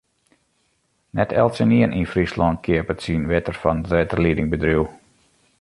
Net eltsenien yn Fryslân keapet syn wetter fan it wetterliedingbedriuw.